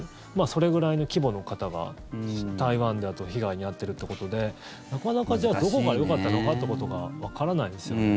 それぐらいの規模の方が台湾だと被害に遭っているということでなかなかじゃあどこがよかったのかということがわからないですよね。